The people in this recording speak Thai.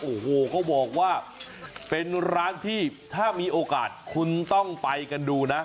โอ้โหเขาบอกว่าเป็นร้านที่ถ้ามีโอกาสคุณต้องไปกันดูนะ